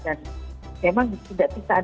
dan memang tidak bisa ada yang mengatakan